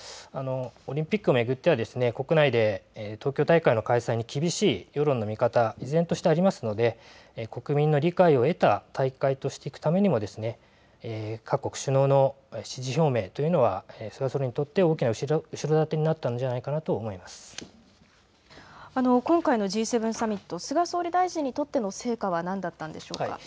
オリンピックを巡っては国内で東京大会の開催に厳しい世論の見方は依然としてありますので国民の理解を得た大会としていくためにも各国首脳の支持表明というのは菅総理にとって大きな後ろ盾になったんじゃないかなと今回のＧ７サミット菅総理大臣にとっての成果は何だったんでしょうか。